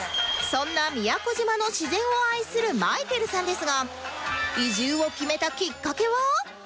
そんな宮古島の自然を愛するまいけるさんですが移住を決めたきっかけは？